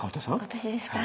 私ですか。